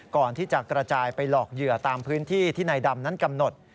ก่อนที่จะกระจายไปหลอกเหยื่อตามพื้นที่ที่นายดำนั้นกำหนด